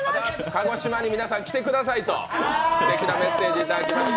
鹿児島に皆さん来てくださいとすてきなメッセージいただきました。